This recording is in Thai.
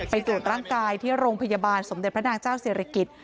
ไปตรงกาลที่โรงพยาบาลศมเด็จพระดามเจ้าเศรษฐกิจ